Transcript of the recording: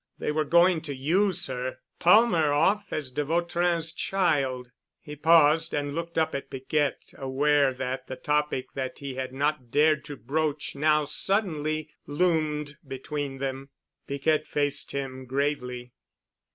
They were going to use her—palm her off as de Vautrin's child——" He paused and looked up at Piquette, aware that the topic that he had not dared to broach now suddenly loomed between them. Piquette faced him gravely.